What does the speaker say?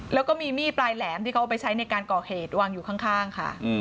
แล้วก็มีมีดปลายแหลมที่เขาเอาไปใช้ในการก่อเหตุวางอยู่ข้างค่ะ